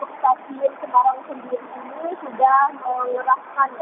menuju kastil namun mengingat kondisi cuaca hingga sore hari ini